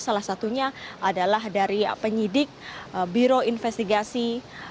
salah satunya adalah dari penyidik biro investigasi